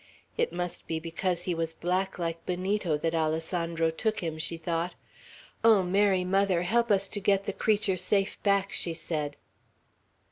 "It must be because he was black like Benito, that Alessandro took him," she thought. "Oh, Mary Mother, help us to get the creature safe back!" she said.